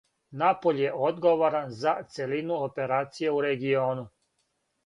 Напуљ је одговоран за целину операција у региону.